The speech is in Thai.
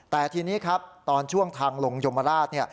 แต่ทีนี้ครับตอนช่วงทางลงยมราช